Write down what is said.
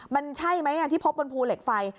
มันใช่ไหมที่พบบนภูเหล็กไฟ